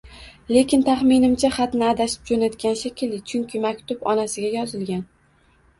Lekin taxminimcha xatni adashib jo`natgan shekilli, chunki maktub onasiga yozilgan